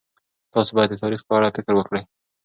تاسو باید د تاریخ په اړه فکر وکړئ.